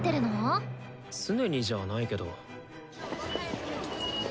常にじゃないけど。